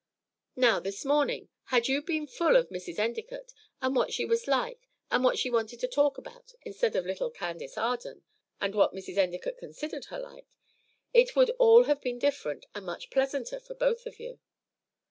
Now, this morning, had you been full of Mrs. Endicott, and what she was like, and what she wanted to talk about, instead of little Candace Arden, and what Mrs. Endicott considered her like, it would all have been different, and much pleasanter for both of you."